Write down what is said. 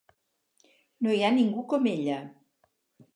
No hi ha ningú com ella.